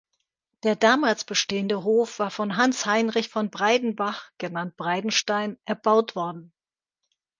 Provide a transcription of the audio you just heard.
Der damals bestehende Hof war von Hans Heinrich von Breidenbach genannt Breidenstein erbaut worden.